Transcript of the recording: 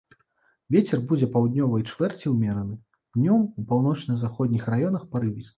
Вецер будзе паўднёвай чвэрці ўмераны, днём у паўночна-заходніх раёнах парывісты.